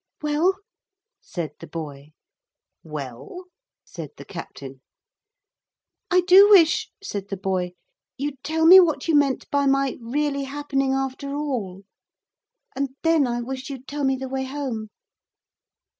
'Well?' said the boy. 'Well?' said the captain. 'I do wish,' said the boy, 'you'd tell me what you meant by my really happening after all. And then I wish you'd tell me the way home.'